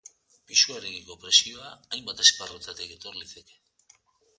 Pisuarekiko presioa hainbat esparrutatik etor liteke.